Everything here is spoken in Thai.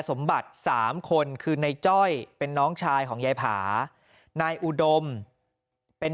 สมบัติสามคนคือนายจ้อยเป็นน้องชายของยายผานายอุดมเป็น